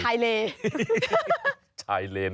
วอเล็บบอลชายเลน